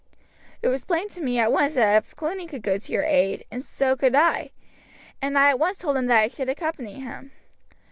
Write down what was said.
It was plain to me at once that if Cluny could go to your aid, so could I, and I at once told him that I should accompany him.